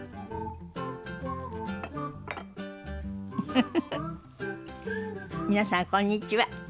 フフフフ皆さんこんにちは。